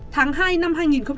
tháng hai năm hai nghìn hai mươi ba